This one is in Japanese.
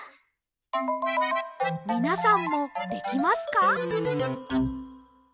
みなさんもできますか？